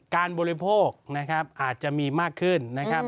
การบริโภคอาจจะมีมากขึ้นนะครับ